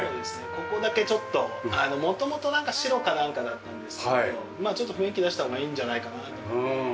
ここだけちょっと元々なんか白かなんかだったんですけどまあちょっと雰囲気出した方がいいんじゃないかなと思って。